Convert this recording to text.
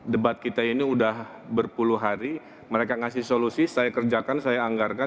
debat kita ini sudah berpuluh hari mereka ngasih solusi saya kerjakan saya anggarkan